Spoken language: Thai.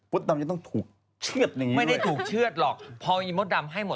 มันต้องถูกเชื่อดอย่างนี้เลย